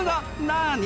何？